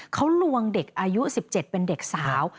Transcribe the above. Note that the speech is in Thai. เขาลวงเด็กอายุ๑๗เป็นเด็กสาว